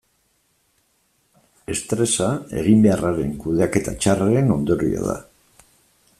Estresa eginbeharraren kudeaketa txarraren ondorioa da.